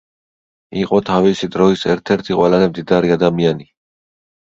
იყო თავისი დროის ერთ-ერთი ყველაზე მდიდარი ადმაიანი.